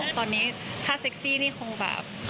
ตอนนี้ถ้าเซ็กซี่นี่คงแบบ